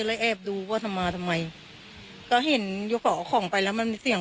เลยแอบดูว่าทำไมทำไมก็เห็นอยู่เกาะของไปแล้วมันมีเสียง